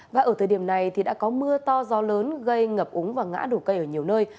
và ở thời điểm này thì đã có mưa to gió lớn gây ngập úng và ngã đổ cây ở nhiều nơi